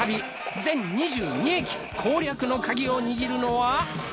全２２駅攻略のカギを握るのは。